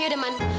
ya udah man